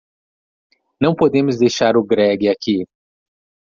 Não podemos deixar o Greg aqui.